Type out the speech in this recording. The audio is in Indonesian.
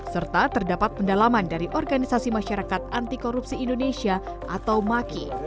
serta terdapat pendalaman dari organisasi masyarakat anti korupsi indonesia atau maki